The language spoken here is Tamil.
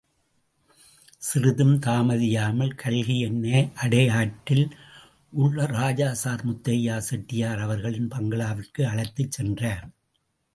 சிறிதும் தாமதியாமல் கல்கி என்னை அடையாறில் உள்ள ராஜா சர் முத்தையா செட்டியார் அவர்களின் பங்களாவிற்கு அழைத்துச் சென்றார்.